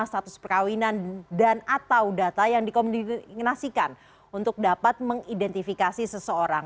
status perkawinan dan atau data yang dikomunikasikan untuk dapat mengidentifikasi seseorang